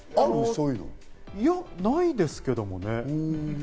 はいいや、ないですけどね。